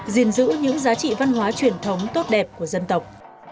gìn giữ những giá trị văn hóa truyền thống tốt đẹp của dân tộc